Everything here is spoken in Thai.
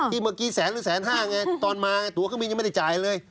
เมื่อกี้แสนหรือแสนห้าไงตอนมาตัวเครื่องบินยังไม่ได้จ่ายเลย